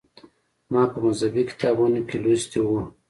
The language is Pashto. ما په مذهبي کتابونو کې لوستي و.